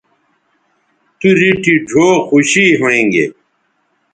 تو ریٹھی ڙھؤ خوشی ھویں گے